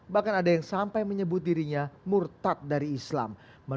bahkan ada yang sampai menyebut dirinya murtad dari islam